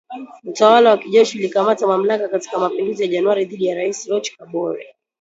Utawala wa kijeshi ulikamata mamlaka katika mapinduzi ya Januari dhidi ya Rais Roch Kabore.